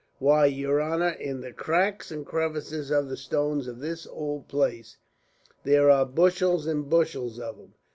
Why, yer honor, in the cracks and crevices of the stones of this ould place there are bushels and bushels of 'em.